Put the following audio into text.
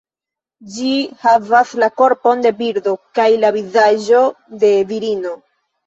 Ĝi havas la korpon de birdo kaj la vizaĝon de virino.